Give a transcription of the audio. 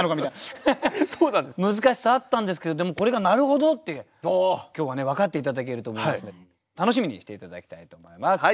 難しさあったんですけどでもこれがなるほどって今日はね分かって頂けると思いますので楽しみにして頂きたいと思います。